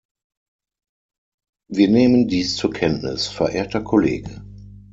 Wir nehmen dies zur Kenntnis, verehrter Kollege.